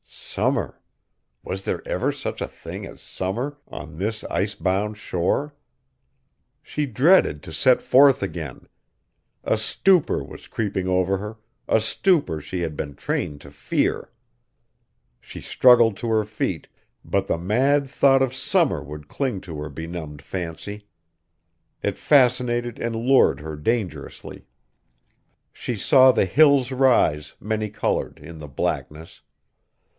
Summer! Was there ever such a thing as summer on this ice bound shore? She dreaded to set forth again. A stupor was creeping over her, a stupor she had been trained to fear. She struggled to her feet, but the mad thought of summer would cling to her benumbed fancy. It fascinated and lured her dangerously. She saw the Hills rise, many colored, in the blackness.